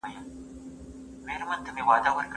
کله باید له خپلو تېرو تجربو څخه زده کړه وکړو؟